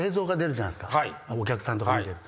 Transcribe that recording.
お客さんとか見てる。